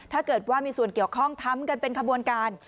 ถ้าเกิดว่ามีส่วนเกี่ยวข้องทำกันเป็นขบวนการ